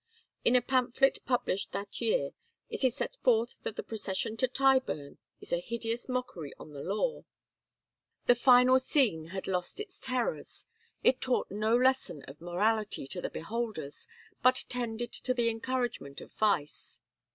In a pamphlet published that year it is set forth that the procession to Tyburn was a hideous mockery on the law; the final scene had lost its terrors; it taught no lesson of morality to the beholders, but tended to the encouragement of vice.